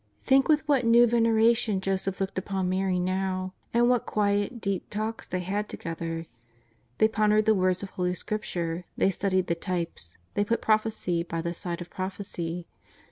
Think with what new veneration Joseph looked upon Mary now, and what quiet, deep talks they had together. They pondered the words of holy Scripture; they studied the types; they put prophecy by the side of prophecy.